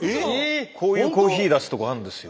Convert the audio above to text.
こういうコーヒー出す所あるんですよ。